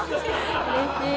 うれしい！